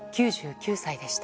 ９９歳でした。